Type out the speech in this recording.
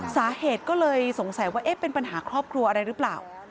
สาเหตุก็เลยสงสัยว่าเอ๊ะเป็นปัญหาครอบครัวอะไรหรือเปล่า